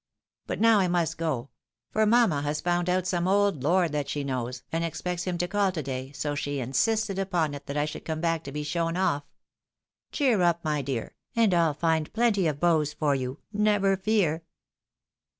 But now I must go — for mamma has found out some old lord that she knows, and expects him to call to day, so she insisted upon it that I should come back to be shown off. Cheer up, my dear, and I'll find plenty of beaux for you, never fear."